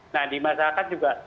nah di masyarakat juga